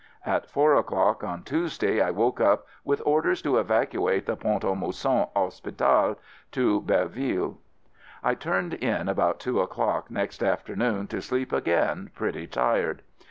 At four o'clock on Tues day I woke up with orders to evacuate the Pont a Mousson Hospital (to Belle ville) . I turned in about two o'clock next afternoon to sleep again, pretty tired.